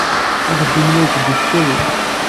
Axeddim la iteddu s ttawil.